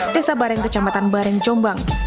desa bareng kecamatan bareng jombang